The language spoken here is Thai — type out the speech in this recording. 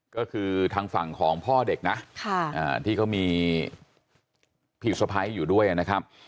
ก็คือทางฝั่งของพ่อเด็กนะที่เขามีพี่สะพ้ายอยู่ด้วยนะครับ